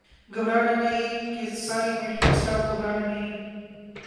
گھبرا نہ نہیں ساری میڈیکل سٹاف گھبرانہ نہیں